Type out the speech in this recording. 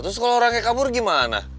terus kalau orangnya kabur gimana